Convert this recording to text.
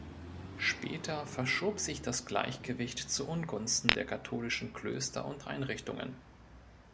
Später verschob sich das Gleichgewicht zuungunsten der katholischen Klöster und Einrichtungen.